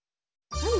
なんだ？